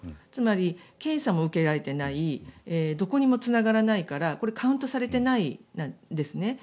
つまり、検査も受けられていないどこにもつながらないからカウントされていないんですね。